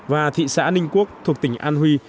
và thị xã ninh quốc thuộc tỉnh an huy